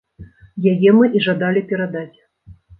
Яе мы і жадалі перадаць.